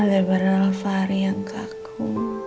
ada bernal fary yang kaku